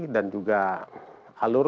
dan juga alur